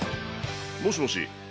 もしもし？